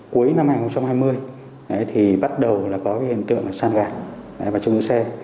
cuối năm hai nghìn hai mươi thì bắt đầu là có hiện tượng là san gạt vào chung với xe